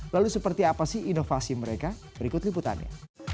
lalu seperti apa sih inovasi mereka berikut liputannya